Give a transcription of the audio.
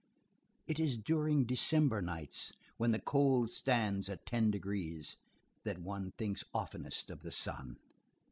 It is during December nights, when the cold stands at ten degrees, that one thinks oftenest of the son.